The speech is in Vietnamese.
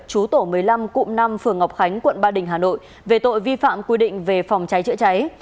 chú tổ một mươi năm cụm năm phường ngọc khánh quận ba đình hà nội về tội vi phạm quy định về phòng cháy chữa cháy